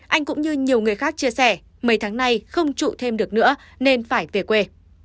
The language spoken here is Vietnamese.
anh cũng như nhiều người khác chia sẻ mấy tháng nay không trụ thêm được nữa nên phải về quê